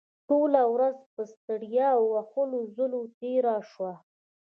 ټوله ورځ پر ستړیا او هلو ځلو تېره شوه